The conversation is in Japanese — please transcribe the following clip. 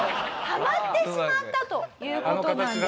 はまってしまったという事なんですよ。